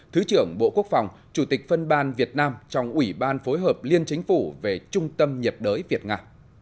thứ trưởng bộ quốc phòng chủ tịch phân ban việt nam trong ủy ban phối hợp liên chính phủ về trung tâm nhập đới việt nga